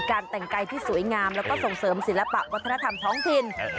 แต่งกายที่สวยงามแล้วก็ส่งเสริมศิลปะวัฒนธรรมท้องถิ่น